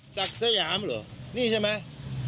ศักดิ์สยามเหรอนี่ใช่ไหม